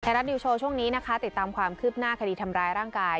ไทรรัตบิลโชว์ช่วงนี้ติดตามความขืบหน้าคดีทำร้ายร่างกาย